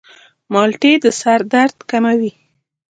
مالټې د سر درد کموي.